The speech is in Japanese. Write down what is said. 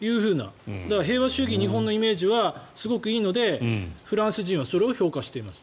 平和主義、日本のイメージはすごくいいのでフランス人はそれを評価しています。